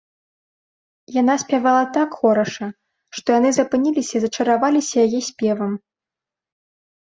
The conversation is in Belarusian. Яна спявала так хораша, што яны запыніліся і зачараваліся яе спевам